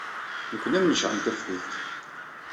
Nekkni ad m-necɛel taftilt.